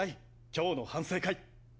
今日の反省会。